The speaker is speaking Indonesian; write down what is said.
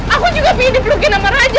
aku juga pengen diperlokin sama raja